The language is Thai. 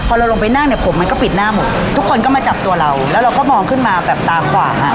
พอเราลงไปนั่งเนี่ยผมมันก็ปิดหน้าหมดทุกคนก็มาจับตัวเราแล้วเราก็มองขึ้นมาแบบตาขวางอ่ะ